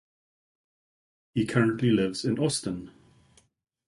He currently lives in Austin.